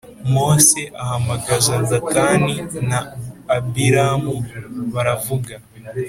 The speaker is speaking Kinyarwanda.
Mose ahamagaza Datani na Abiramu baravuga